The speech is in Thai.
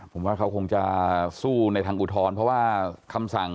ผมว่าเขาคงจะสู้ในทางอุทธรณ์